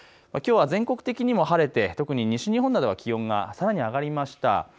きょうは全国的にも晴れてきょう特に西日本は気温が上がりました。